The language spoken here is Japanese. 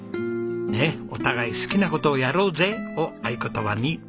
「お互い好きな事をやろうぜ」を合言葉に。